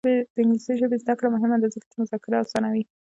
د انګلیسي ژبې زده کړه مهمه ده ځکه چې مذاکره اسانوي.